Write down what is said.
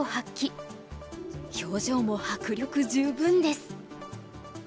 表情も迫力十分です。